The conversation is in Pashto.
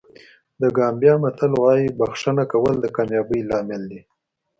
د ګامبیا متل وایي بښنه کول د کامیابۍ لامل دی.